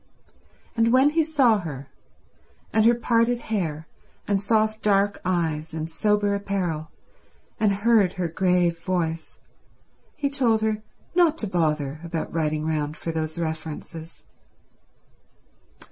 And when he saw her, and her parted hair and soft dark eyes and sober apparel, and heard her grave voice, he told her not to bother about writing round for those references.